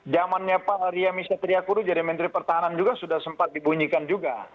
zamannya pak ria misatriakuru jadi menteri pertahanan juga sudah sempat dibunyikan juga